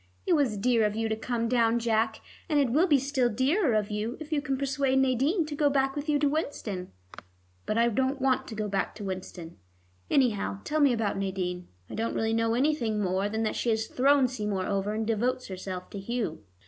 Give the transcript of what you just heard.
It was dear of you to come down, Jack, and it will be still dearer of you if you can persuade Nadine to go back with you to Winston." "But I don't want to go back to Winston. Anyhow, tell me about Nadine. I don't really know anything more than that she has thrown Seymour over, and devotes herself to Hugh."